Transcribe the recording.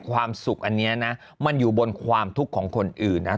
ความสุขอันนี้นะมันอยู่บนความทุกข์ของคนอื่นนะ